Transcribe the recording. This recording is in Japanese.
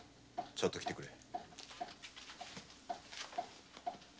ちょっと来てくれ。